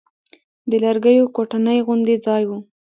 د لرګيو کوټنۍ غوندې ځاى و.